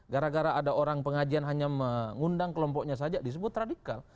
gara gara ada orang pengajian hanya mengundang kelompoknya saja disebut radikal